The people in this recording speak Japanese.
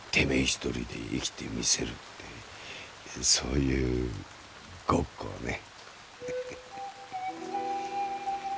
一人で生きてみせるってそういうごっこをね。